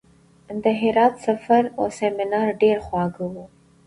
د هرات سفر او سیمینار ډېر خواږه وو.